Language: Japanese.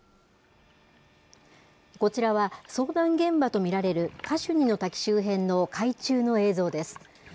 こちらは遭難現場と見られるカシュニの滝周辺の海中の映像です。